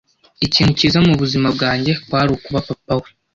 Ikintu cyiza mubuzima bwanjye kwari ukuba papa we.